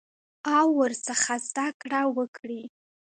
او ورڅخه زده کړه وکړي.